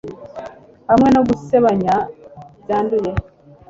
hamwe no gusebanya byanduye